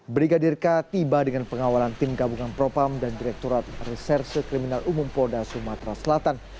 brigadir k tiba dengan pengawalan tim gabungan propam dan direkturat reserse kriminal umum polda sumatera selatan